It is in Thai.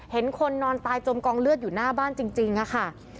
คนนอนตายจมกองเลือดอยู่หน้าบ้านจริงค่ะ